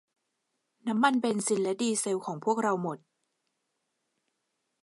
น้ำมันเบนซินและดีเซลของพวกเราหมด